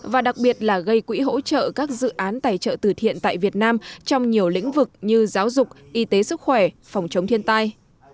và đặc biệt là gây quỹ hỗ trợ các dự án tài trợ từ thiện tại việt nam trong nhiều lĩnh vực như giáo dục y tế sức khỏe phòng chống thiên tai